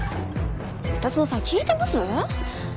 三田園さん聞いてます？